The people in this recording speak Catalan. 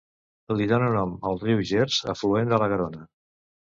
Li dóna nom el riu Gers, afluent de la Garona.